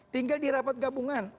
tinggal di rapat gabungan